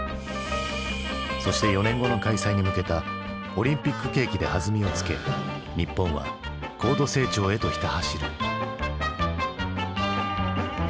そして４年後の開催に向けたオリンピック景気で弾みをつけ日本は高度成長へとひた走る。